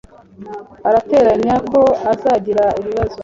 Arateganya ko azagira ibibazo